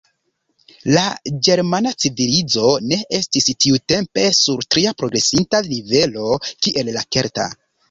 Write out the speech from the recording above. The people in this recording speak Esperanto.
La ĝermana civilizo ne estis tiutempe sur tia progresinta nivelo kiel la kelta.